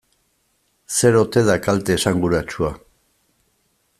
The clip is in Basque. Zer ote da kalte esanguratsua?